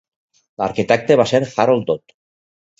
L'arquitecte va ser Harold Dod.